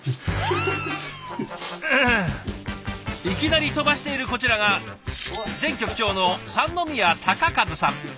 いきなり飛ばしているこちらが前局長の三宮生多さん。